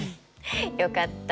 よかった。